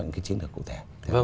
những cái chiến lược cụ thể